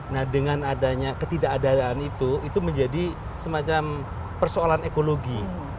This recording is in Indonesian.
nah dengan adanya ketidakadaan itu itu menjadi semacam persoalan ekologi